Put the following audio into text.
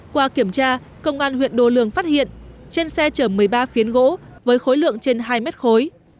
qua kiểm tra công an huyện đô lương phát hiện trên xe chở một mươi ba phiến gỗ với khối lượng trên hai mét khối